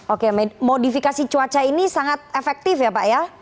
oke modifikasi cuaca ini sangat efektif ya pak ya